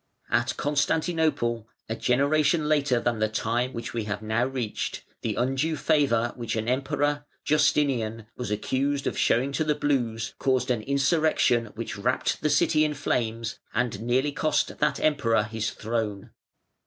At Constantinople, a generation later than the time which we have now reached, the undue favour which an Emperor (Justinian.) was accused (532) of showing to the Blues caused an insurrection which wrapped the city in flames and nearly cost that Emperor his throne.